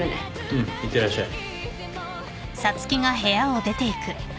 うん。いってらっしゃい。